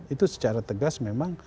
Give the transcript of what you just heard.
itu secara tegas memang